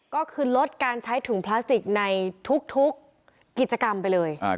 ก็คือลดการใช้ถุงพลาสติกในทุกกิจกรรมไปเลย